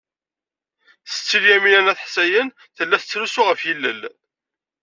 Setti Lyamina n At Ḥsayen tella tettrusu ɣef yilel.